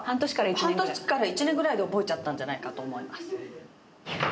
半年から１年くらいで覚えちゃったんじゃないかと思います。